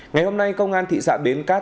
ngày hôm nay công an thị xã bến cát